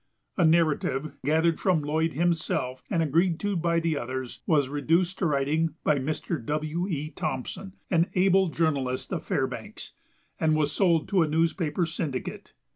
A narrative, gathered from Lloyd himself and agreed to by the others, was reduced to writing by Mr. W. E. Thompson, an able journalist of Fairbanks, and was sold to a newspaper syndicate.